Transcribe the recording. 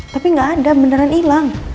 tapi gak ada beneran ilang